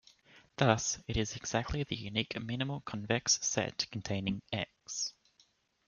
Thus, it is exactly the unique minimal convex set containing "X".